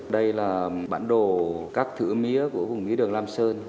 đây là bản đồ các thử mía của vùng mía đường lam sơn